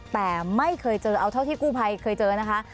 แต่ไม่เคยเจอเอาเท่าที่กู้ภัยเคยเจอนะคะ